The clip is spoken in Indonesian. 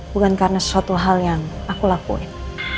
bukan karena sesuatu hal yang aku lakuin